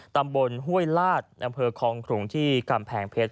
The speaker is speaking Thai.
ตำบลห้วยลาดอำเภอคลองขลุงที่กำแพงเพชร